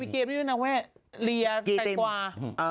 เกมนี้ด้วยนะแม่เรียแตงกว่า